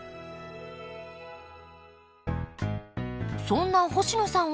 そんな星野さん